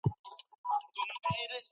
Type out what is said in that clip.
دی یوازې خپل لالی غواړي.